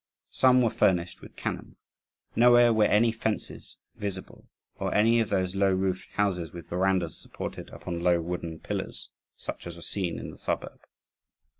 Some were furnished with cannon. Nowhere were any fences visible, or any of those low roofed houses with verandahs supported upon low wooden pillars, such as were seen in the suburb.